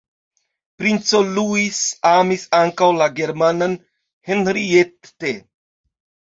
Princo Luis amis ankaŭ la germanan Henriette.